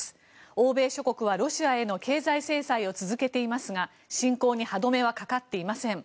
欧米諸国はロシアへの経済制裁を続けていますが侵攻に歯止めはかかっていません。